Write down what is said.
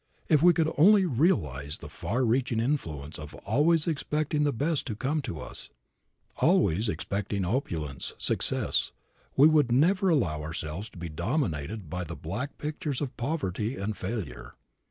If we could only realize the far reaching influence of always expecting the best to come to us, always expecting opulence, success, we would never allow ourselves to be dominated by the black pictures of poverty and failure.